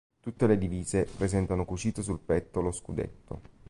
Tutte le divise presentano cucito sul petto lo scudetto.